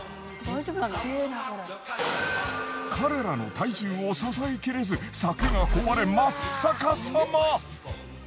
彼らの体重を支えきれず柵が壊れ真っ逆さま！